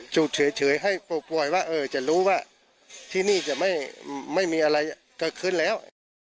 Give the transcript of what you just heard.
จุดเฉยให้ป่วยว่าจะรู้ว่าที่นี่จะไม่มีอะไรเกิดขึ้นแล้ว